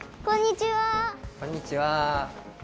こんにちは。